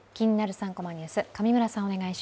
３コマニュース」。